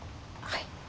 はい。